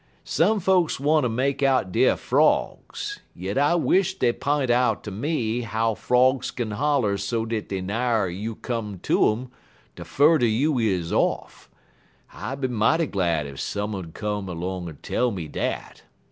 Some folks wanter make out deyer frogs, yit I wish dey p'int out unter me how frogs kin holler so dat de nigher you come t'um, de furder you is off; I be mighty glad ef some un 'ud come 'long en tell me dat.